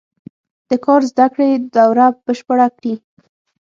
د کار زده کړې دوره بشپړه کړي.